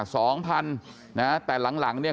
สองพันนะแต่หลังเนี่ย